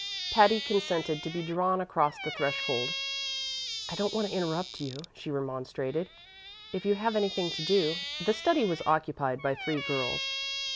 Patty consented to be drawn across the threshold. "I don't want to interrupt you," she remonstrated, "if you have anything to do." The study was occupied by three girls.